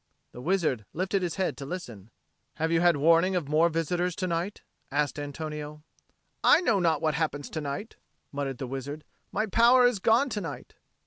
The wizard lifted his head to listen. "Have you had warning of more visitors to night?" asked Antonio. "I know not what happens to night," muttered the wizard. "My power is gone to night."